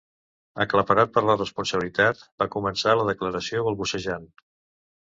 Aclaparat per la responsabilitat, va començar la declaració balbucejant.